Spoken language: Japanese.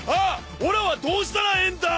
オラはどうしたらええんだ！？